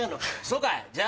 「そうかい」。